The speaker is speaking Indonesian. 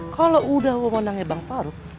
kalau udah lu mandangin bang faruk